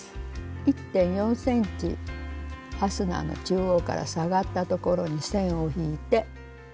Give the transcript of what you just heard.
１．４ｃｍファスナーの中央から下がったところに線を引いて。